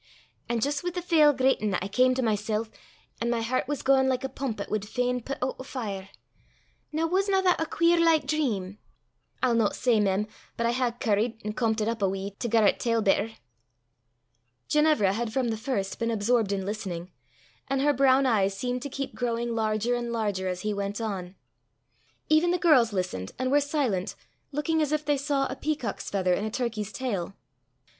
An' jist wi' the fell greitin' I cam to mysel', an' my hert was gaein' like a pump 'at wad fain pit oot a fire. Noo wasna that a queer like dream? I'll no say, mem, but I hae curriet an' kaimbt it up a wee, to gar 't tell better." Ginevra had from the first been absorbed in listening, and her brown eyes seemed to keep growing larger and larger as he went on. Even the girls listened and were silent, looking as if they saw a peacock's feather in a turkey's tail.